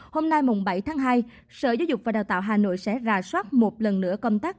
hôm nay bảy tháng hai sở giáo dục và đào tạo hà nội sẽ rà soát một lần nữa công tác